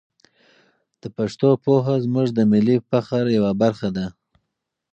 د پښتو پوهه زموږ د ملي فخر یوه برخه ده.